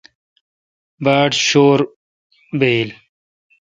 باڑ شور بایل۔